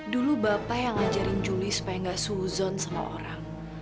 dulu bapak yang ngajarin juli supaya gak suuzon sama orang